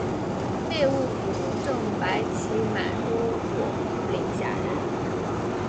内务府正白旗满洲佐领下人。